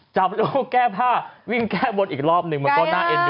จับลูกแก้ผ้าวิ่งแก้บนอีกรอบหนึ่งมันก็น่าเอ็นดู